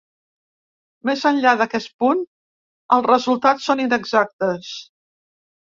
Més enllà d'aquest punt els resultats són inexactes.